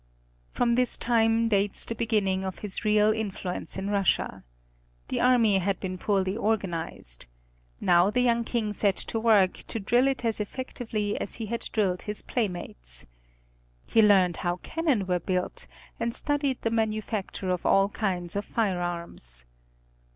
From this time dates the beginning of his real influence in Russia. The army had been poorly organized. Now the young King set to work to drill it as effectively as he had drilled his playmates. He learned how cannon were built, and studied the manufacture of all kinds of firearms.